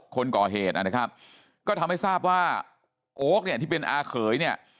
คนก่อเหตุนะครับก็ทำให้ทราบว่าโอ๊คเนี่ยที่เป็นอาเขยเนี่ย